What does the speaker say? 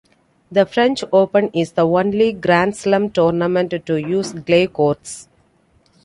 The French Open is the only Grand Slam tournament to use clay courts.